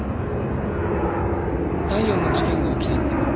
第四の事件が起きたって。